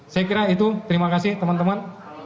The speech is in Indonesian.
saya kira itu terima kasih teman teman